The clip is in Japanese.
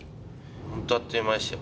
本当、あっという間でしたよ。